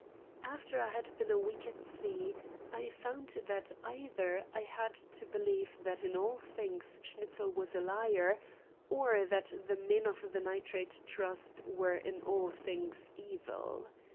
After I had been a week at sea, I found that either I had to believe that in all things Schnitzel was a liar, or that the men of the Nitrate Trust were in all things evil.